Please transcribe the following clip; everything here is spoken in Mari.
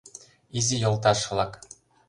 — Изи йолташ-влак!